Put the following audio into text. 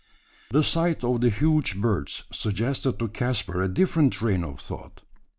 The sight of the huge birds suggested to Caspar a different train of thought.